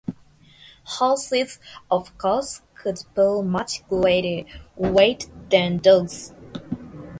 Horses, of course, could pull much greater weight than dogs.